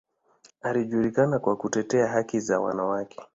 Anajulikana kwa kutetea haki za wanawake.